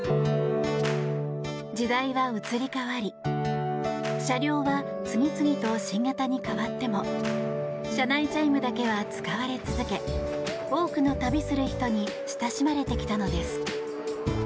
時代は移り変わり車両は次々と新型に変わっても車内チャイムだけは使われ続け多くの旅する人に親しまれてきたのです。